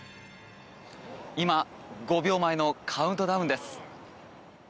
今、５秒前のカウントダウンです。